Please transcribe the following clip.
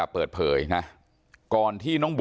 ไม่ตั้งใจครับ